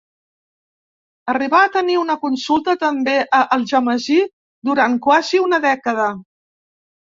Arribà a tenir una consulta també a Algemesí durant quasi una dècada.